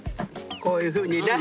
こういうふうにな。